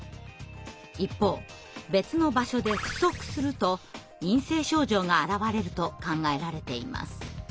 一方別の場所で不足すると陰性症状が現れると考えられています。